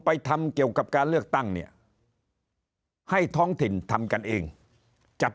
ไปทำเกี่ยวกับการเลือกตั้งเนี่ยให้ท้องถิ่นทำกันเองจับ